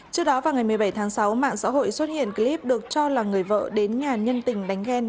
trước đó vào ngày một mươi bảy tháng sáu mạng xã hội xuất hiện clip được cho là người vợ đến nhà nhân tình đánh ghen